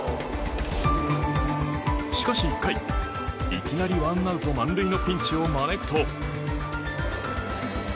しかし１回、いきなりワンアウト満塁のピンチを招くと。